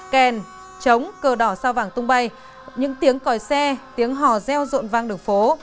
khen chống cờ đỏ sao vàng tung bay những tiếng còi xe tiếng hò reo rộn vang đường phố